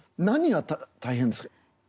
何が大変ですか？